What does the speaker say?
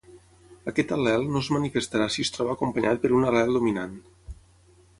Aquest al·lel no es manifestarà si es troba acompanyat per un al·lel dominant.